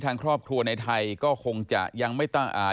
ทางครอบครัวในไทยก็คงจะยังไม่ตั้งอ่า